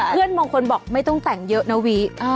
เพื่อนบางคนบอกไม่ต้องแต่งเยอะนะวิ